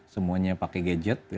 semuanya pakai gadget